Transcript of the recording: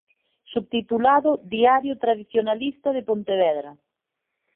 Subtitulado "Diario tradicionalista de Pontevedra.